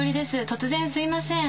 突然すいません